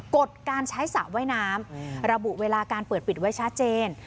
กฎการใช้สระว่ายน้ำระบุเวลาการเปิดปิดไว้ชัดเจน